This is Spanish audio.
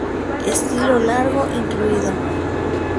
Estilo largo, incluido.